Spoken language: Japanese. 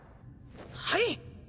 はい！